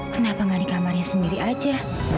kenapa nggak di kamarnya sendiri aja